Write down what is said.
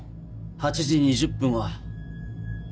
８時２０分は。